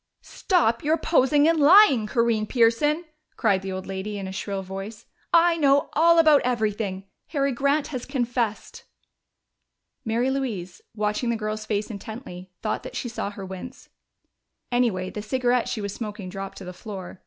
"Stop your posing and lying, Corinne Pearson!" cried the old lady in a shrill voice. "I know all about everything. Harry Grant has confessed." Mary Louise, watching the girl's face intently, thought that she saw her wince. Anyway, the cigarette she was smoking dropped to the floor.